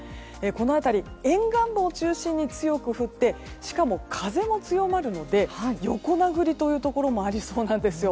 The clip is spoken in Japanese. この辺り沿岸部を中心に強く降ってしかも風も強まるので横殴りというところもありそうなんです。